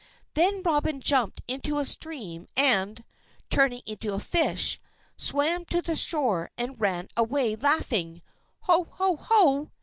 Then Robin jumped into a stream and, turning into a fish, swam to the shore and ran away, laughing, "Ho! Ho!